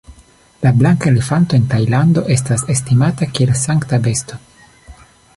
La blanka elefanto en Tajlando estas estimata kiel sankta besto.